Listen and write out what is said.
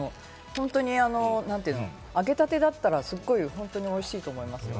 本当に揚げたてだったらすごいおいしいと思いますよ。